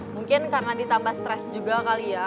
mungkin karena ditambah stres juga kali ya